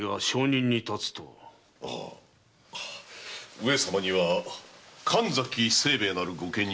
上様には神崎清兵衛なる御家人ご存知なので？